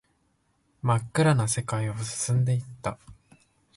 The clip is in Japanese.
真っ暗な世界を進んでいった